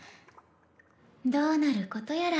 どうなることやら。